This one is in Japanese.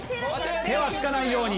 手は着かないように。